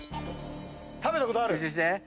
食べたことある？